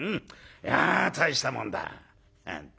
いや大したもんだ」なんて。